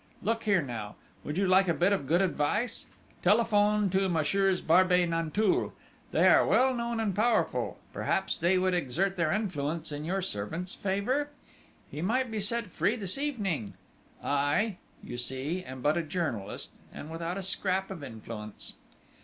Look here now, would you like a bit of good advice?... Telephone to Messieurs Barbey Nanteuil. They are well known and powerful perhaps they would exert their influence in your servant's favour? He might be set free this evening! I, you see, am but a journalist, and without a scrap of influence!"